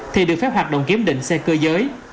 thì được phép hoạt động kiểm định xe cơ giới